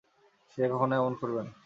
সে কখনো এমন করবে না।